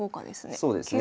そうですね。